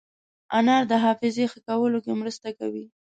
انار د حافظې ښه کولو کې مرسته کوي.